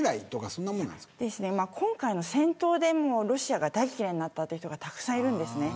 そんなもんなん今回の戦闘でロシアが大嫌いになったという人がたくさんいます。